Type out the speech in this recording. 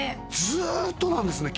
ずっとなんですね